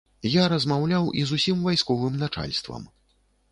Я размаўляў і з усім вайсковым начальствам.